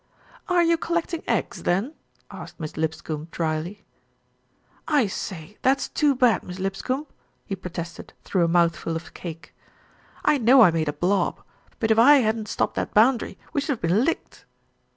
"Are you collecting eggs then?" asked Miss Lip scombe drily. "I say that's too bad, Miss Lipscombe," he pro tested through a mouthful of cake. "I know I made a blob; but if I hadn't stopped that boundary, we should have been licked."